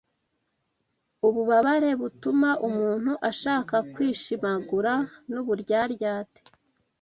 Ububabare butuma umuntu ashaka kwishimagura n’ uburyaryate